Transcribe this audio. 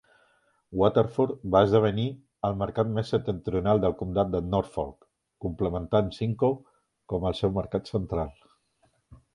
Waterford va esdevenir el mercat més septentrional del comtat de Norfolk, complementant Simcoe com el seu mercat central.